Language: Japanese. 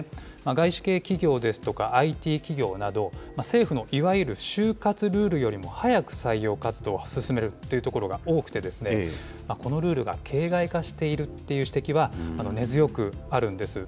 外資系企業ですとかＩＴ企業など、政府のいわゆる就活ルールよりも早く採用活動を進めるというところが多くてですね、このルールが形骸化しているという指摘は根強くあるんです。